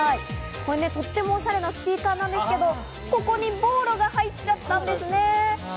これ、とってもおしゃれなスピーカーなんですけれども、ここにボーロが入っちゃったんですね。